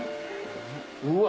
うわ！